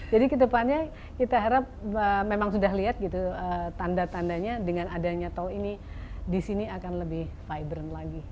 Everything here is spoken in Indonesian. jadi kedepannya kita harap memang sudah lihat gitu tanda tandanya dengan adanya tol ini disini akan lebih vibrant lagi